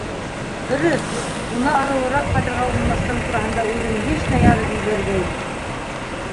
Дөрөҫ, уны арыуыраҡ фатирға урынлаштырыу тураһында үҙем лично яҙып ебәргәйнем.